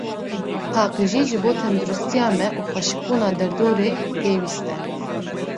Paqijî, ji bo tendirûstiya me û xweşikbûna derdorê, pêwîst e.